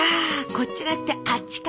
こっちだったあっちか。